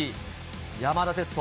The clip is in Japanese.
山田哲人。